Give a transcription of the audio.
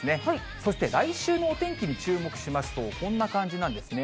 そして来週のお天気に注目しますと、こんな感じなんですね。